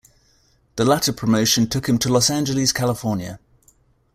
The latter promotion took him to Los Angeles, California.